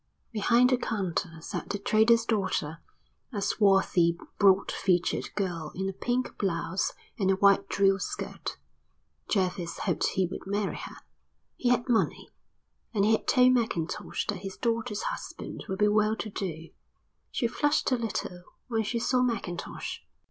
Behind the counter sat the trader's daughter, a swarthy broad featured girl in a pink blouse and a white drill skirt. Jervis hoped he would marry her. He had money, and he had told Mackintosh that his daughter's husband would be well to do. She flushed a little when she saw Mackintosh.